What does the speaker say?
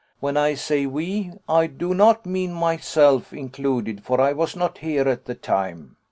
When I say we, I do not mean myself included, for I was not here at the time."